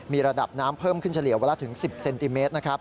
มีระดับน้ำเพิ่มขึ้นเฉลี่ยเวลาถึง๑๐เซนติเมตร